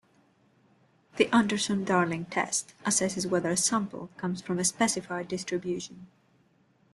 The Anderson-Darling test assesses whether a sample comes from a specified distribution.